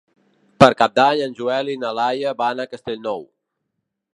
Per Cap d'Any en Joel i na Laia van a Castellnou.